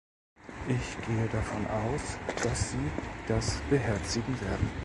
Ich gehe davon aus, dass Sie das beherzigen werden.